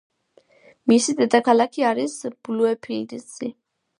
მისი დედაქალაქი არის ბლუეფილდსი.